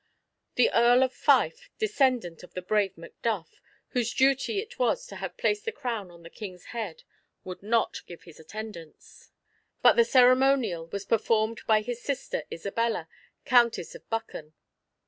The Earl of Fife, descendant of the brave Macduff, whose duty it was to have placed the crown on the King's head, would not give his attendance, but the ceremonial was performed by his sister, Isabella, Countess of Buchan.